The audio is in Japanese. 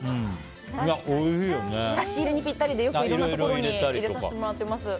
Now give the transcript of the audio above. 差し入れにぴったりでよくいろんなところに入れさせてもらってます。